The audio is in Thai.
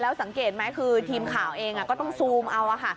สังเกตไหมคือทีมข่าวเองก็ต้องซูมเอาค่ะ